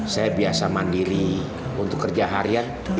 saya biasa mandiri untuk kerja harian